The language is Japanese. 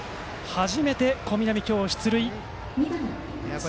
初めて小南、出塁。